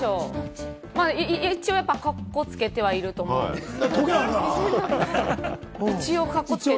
一応カッコつけてはいると思うんですけど。